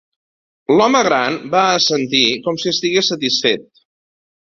L'home gran va assentir, com si estigués satisfet.